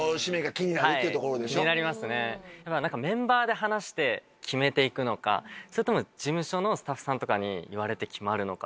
気になりますねメンバーで話して決めて行くのかそれとも事務所のスタッフさんとかに言われて決まるのか？